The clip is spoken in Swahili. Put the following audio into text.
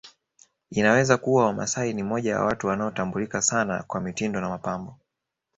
Inaweza kuwa Wamasai ni moja ya watu wanaotambulika sana kwa mitindo na mapambo